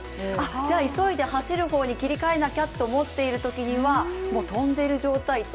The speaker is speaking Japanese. じゃあ急いで走る方に切り替えなきゃと思ってるときにはもう跳んでいる状態と。